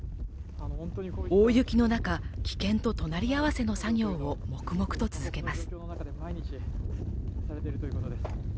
大雪の中、危険と隣り合わせの作業を黙々と続けます。